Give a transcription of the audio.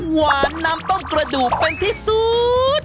หวานน้ำต้มกระดูกเป็นที่สุด